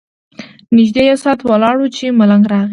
نږدې یو ساعت ولاړ وو چې ملنګ راغی.